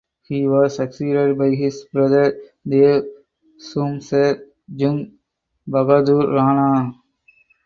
He was succeeded by his brother Dev Shumsher Jung Bahadur Rana.